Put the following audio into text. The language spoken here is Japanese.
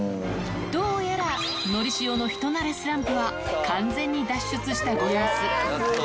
どうやらのりしおの人なれスランプは完全に脱出したご様子。